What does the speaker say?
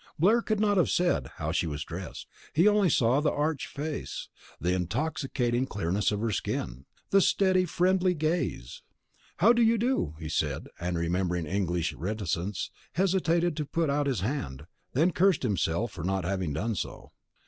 Blair could not have said how she was dressed. He saw only the arch face, the intoxicating clearness of her skin, the steady, friendly gaze. "How do you do," he said, and remembering English reticence, hesitated to put out his hand; then cursed himself for not having done so.